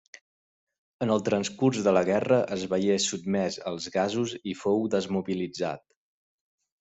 En el transcurs de la guerra es veié sotmès als gasos i fou desmobilitzat.